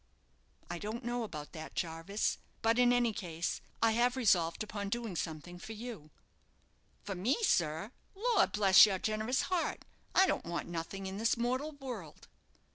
"I don't know about that, Jarvis; but in any case I have resolved upon doing something for you." "For me, sir! Lor' bless your generous heart, I don't want nothing in this mortal world."